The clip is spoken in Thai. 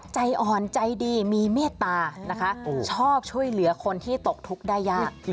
ใจอ่อนใจดีมีเมตตานะคะชอบช่วยเหลือคนที่ตกทุกข์ได้ยาก